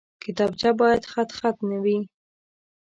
کتابچه باید خطخط نه وي